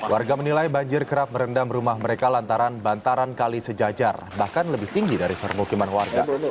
warga menilai banjir kerap merendam rumah mereka lantaran bantaran kali sejajar bahkan lebih tinggi dari permukiman warga